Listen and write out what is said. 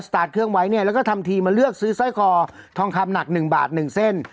ตาร์ทเครื่องไว้เนี่ยแล้วก็ทำทีมาเลือกซื้อสร้อยคอทองคำหนักหนึ่งบาทหนึ่งเส้น